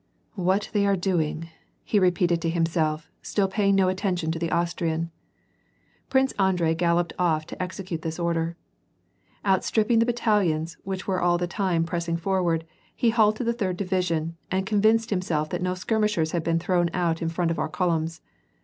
What they are doing," \ he repeated to himself, still paying no attention to the Austrian. Prince Andrei galloped off to execute this order. Outstripping the battalions, which were all the time press ing forward, he halted the third division, and convinced him self that no skirmishers had been thrown out in front of our columns.